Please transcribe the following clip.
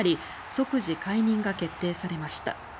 即時解任が決定されました。